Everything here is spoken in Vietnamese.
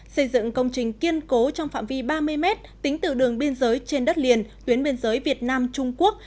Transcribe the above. xây dựng công trình kiên cố trong phạm vi ba mươi mét tính từ đường biên giới trên đất liền tuyến biên giới việt nam trung quốc